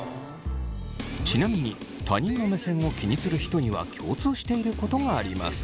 ちなみに他人の目線を気にする人には共通していることがあります。